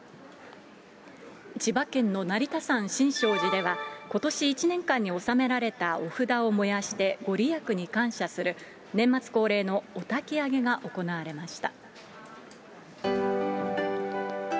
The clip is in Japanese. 千葉県の成田山新勝寺では、ことし１年間に納められたお札を燃やして、御利益に感謝する、年末恒例のおたき上げが行われました。